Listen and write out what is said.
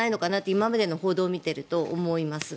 今までの報道を見ていると思います。